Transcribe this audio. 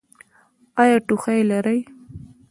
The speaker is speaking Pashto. ایا ټوخی لرئ؟